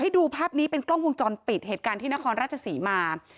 ดูภาพนี้เป็นกล้องวงจรปิดเหตุการณ์ที่นครราชศรีมา